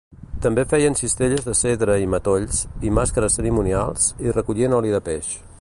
També feien cistelles de cedre i matolls i màscares cerimonials, i recollien oli de peix.